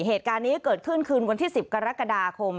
เหตุการณ์นี้เกิดขึ้นคืนวันที่๑๐กรกฎาคม